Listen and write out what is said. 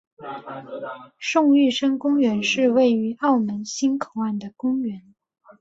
宋玉生公园是位于澳门新口岸的公园。